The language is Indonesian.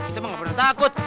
itu mah gak pernah takut